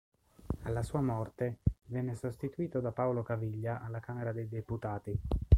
Alla sua morte, venne sostituito da Paolo Caviglia alla Camera dei Deputati.